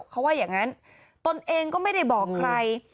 เขาว่าอย่างนั้นตนเองก็ไม่ได้บอกใคร